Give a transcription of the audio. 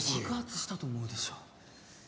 爆発したと思うでしょ。